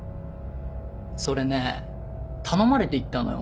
それねぇ頼まれて行ったのよ